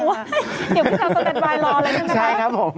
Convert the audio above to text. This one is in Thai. เดี๋ยวพี่ชาวสบายรออะไรด้วยนะคะ